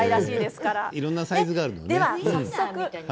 いろんなサイズがあるのね。